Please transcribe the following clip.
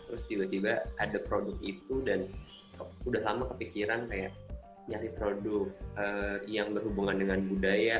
terus tiba tiba ada produk itu dan udah lama kepikiran kayak nyari produk yang berhubungan dengan budaya